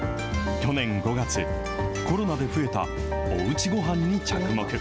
去年５月、コロナで増えたおうちごはんに着目。